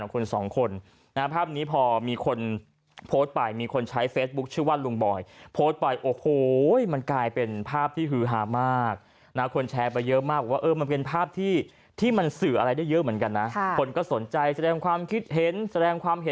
ต้องบอกว่ามันคือมิตริใหม่ของการถ่ายภาพพรีเวอร์ดิ้งนะฮะ